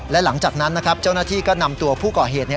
และหลังจากนั้นนะครับเจ้าหน้าที่ก็นำตัวผู้ก่อเหตุ